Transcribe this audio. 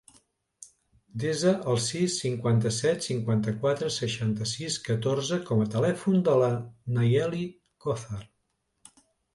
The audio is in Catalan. Desa el sis, cinquanta-set, cinquanta-quatre, seixanta-sis, catorze com a telèfon de la Nayeli Cozar.